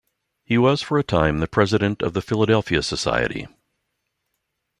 He was for a time the President of the Philadelphia Society.